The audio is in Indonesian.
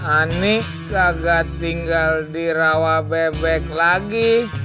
aneh kagak tinggal di rawa bebek lagi